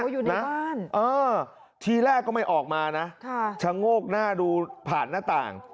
อยู่ในบ้านเออทีแรกก็ไม่ออกมานะชะโงกหน้าดูผ่านหน้าต่าง